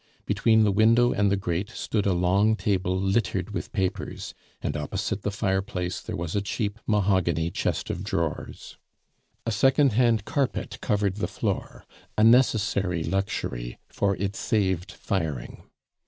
Between the window and the grate stood a long table littered with papers, and opposite the fireplace there was a cheap mahogany chest of drawers. A second hand carpet covered the floor a necessary luxury, for it saved firing.